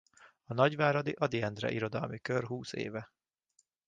A nagyváradi Ady Endre Irodalmi Kör húsz éve.